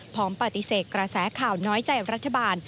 ปฏิเสธกระแสข่าวน้อยใจรัฐบาล